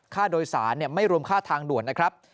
ค่าโดยสารไม่รวมค่าทางด่วนนะครับ